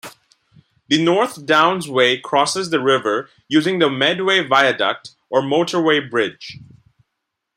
The North Downs Way crosses the river using the Medway Viaduct or motorway bridge.